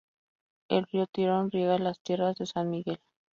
El río Tirón riega las tierras de San Miguel.